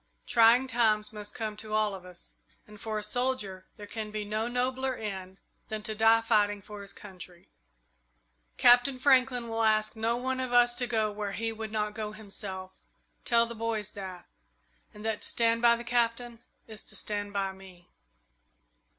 Trying times must come to all of us, and for a soldier there can be no nobler end than to die fighting for his country. Captain Franklin will ask no one of us to go where he would not go himself. Tell the boys that, and that to stand by the Captain is to stand by me."